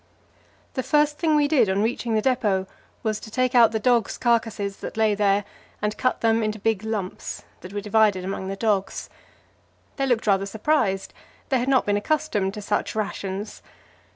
The first thing we did on reaching the depot was to take out the dogs' carcasses that lay there and cut them into big lumps, that were divided among the dogs. They looked rather surprised; they had not been accustomed to such rations.